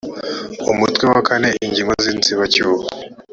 umutwe wa kane ingingo z inzibacyuho